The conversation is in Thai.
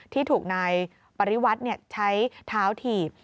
ที่ถูกนายปริวัติใช้เท้าถีบ